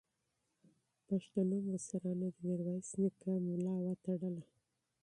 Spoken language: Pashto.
پښتنو مشرانو د میرویس نیکه ملا وتړله.